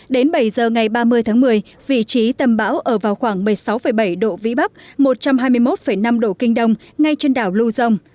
đến bảy giờ ngày ba mươi tháng một mươi vị trí tâm bão ở vào khoảng một mươi sáu bảy độ vĩ bắc một trăm hai mươi một năm độ kinh đông ngay trên đảo lưu dông